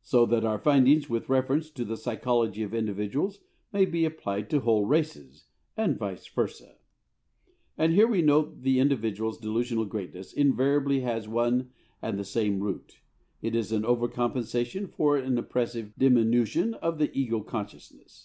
So that our findings with reference to the psychology of individuals may be applied to whole races, and vice versa. And here we note that the individual's delusional greatness invariably has one and the same root: it is an over compensation for an oppressive diminution of the ego consciousness.